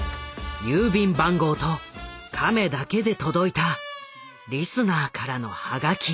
郵便番号と「カメ」だけで届いたリスナーからのハガキ。